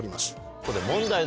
ここで。